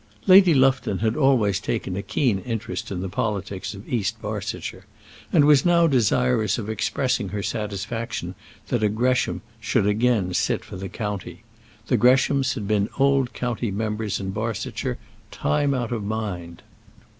Lady Lufton had always taken a keen interest in the politics of East Barsetshire, and was now desirous of expressing her satisfaction that a Gresham should again sit for the county. The Greshams had been old county members in Barsetshire, time out of mind.